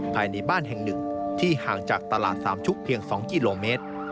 ภายในบ้านแห่งหนึ่งที่ห่างจากตลาดสามชุกเพียง๒กิโลเมตร